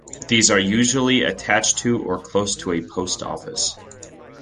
These are usually attached to, or close to a post office.